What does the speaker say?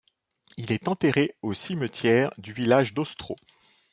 Il est enterré au cimetière du village d'Ostro.